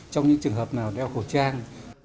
trong những trường hợp nào đeo khẩu trang